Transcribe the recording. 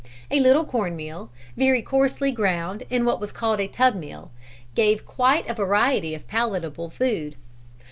A little corn meal, very coarsely ground in what was called a tub mill, gave quite a variety of palatable food.